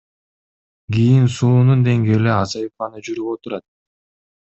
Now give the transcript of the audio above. Кийин суунун деңгээли азайып гана жүрүп отурат.